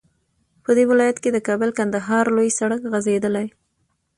په دې ولايت كې د كابل- كندهار لوى سړك غځېدلى